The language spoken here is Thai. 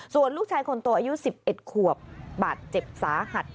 ส่วนลูกชายคนโตอายุ๑๑ขวบบาดเจ็บสาหัส